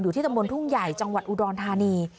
อยู่ที่ตะมนต์ทุ่งใหญ่จังหวัดอุดรณฑานี